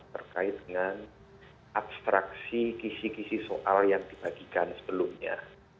dengan abstraksi kisih kisih soal yang dibagikan sebelumnya